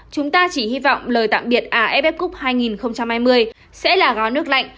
chúng ta chỉ hy vọng lời tạm biệt aff cup hai nghìn hai mươi sẽ là gói nước lạnh